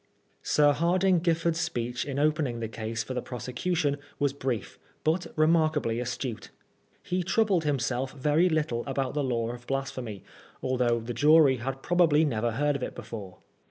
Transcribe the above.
Sir Hardinge Giffard's speech in opening the case for the prosecution was brief, but remarkably astute. He troubled himself very little about the law of Blas phemy, although the jury had probably never heard of it before.